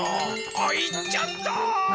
あっいっちゃった！